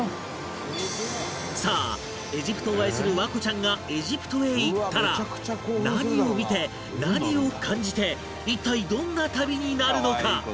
さあエジプトを愛する環子ちゃんがエジプトへ行ったら何を見て何を感じて一体どんな旅になるのか？